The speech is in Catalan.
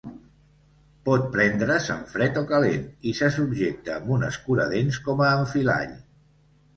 Pot prendre's en fred o calent i se subjecta amb un escuradents com a enfilall.